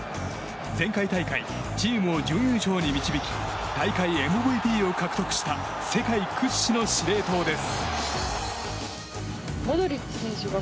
前回大会チームを準優勝に導き大会ＭＶＰを獲得した世界屈指の司令塔です。